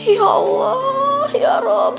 ya allah ya rob